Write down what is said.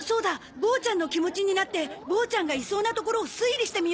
ボーちゃんの気持ちになってボーちゃんがいそうな所を推理してみようよ。